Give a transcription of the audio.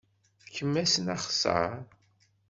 Fkem-asen axeṣṣar.